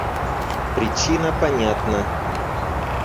Причина понятна.